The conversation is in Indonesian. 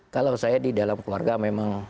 kalau saya di dalam keluarga memang